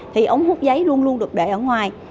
thì ống hút giấy luôn luôn được để ở ngoài